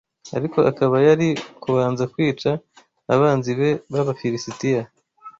ariko akaba yari kubanza kwica abanzi be b’Abafilisitiya